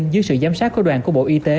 dưới sự giám sát của đoàn của bộ y tế